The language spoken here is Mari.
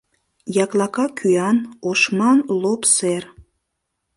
Яклака кӱан, ошман лоп сер...